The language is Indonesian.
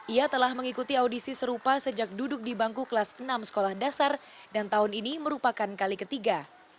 ia telah mengikuti audisi serupa sejak duduk di bangku kelas enam sekolah dasar dan tahun ini merupakan kali ketiga